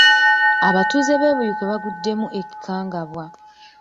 Abatuuze b'e Buikwe baguddemu ekikangabwa.